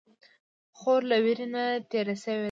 خور له ویرې نه تېره شوې ده.